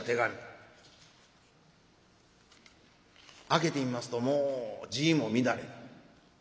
開けてみますともう字も乱れて。